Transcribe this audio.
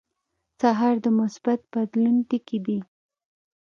سهار د مثبت بدلون ټکي دي.